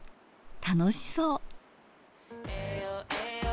楽しそう。